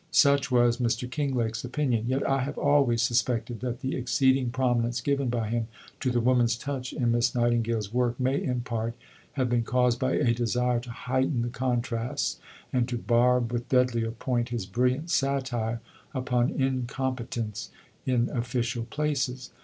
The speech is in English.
Such was Mr. Kinglake's opinion; yet I have always suspected that the exceeding prominence given by him to the woman's touch in Miss Nightingale's work may in part have been caused by a desire to heighten the contrasts, and to barb with deadlier point his brilliant satire upon incompetence in official places.